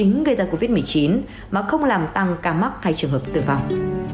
để trở thành nguyên nhân chính gây ra covid một mươi chín mà không làm tăng ca mắc hay trường hợp tử vong